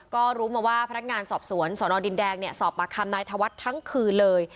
ก็รู้มาว่าพนักงานสอบสวนสนดินแดงสอบปากคำนายธวัฒน์ทั้งคืนเลย